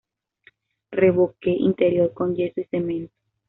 Revoque interior con yeso y cemento.